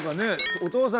「お父さん！